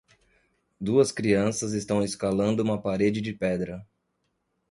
Duas crianças estão escalando uma parede de pedra.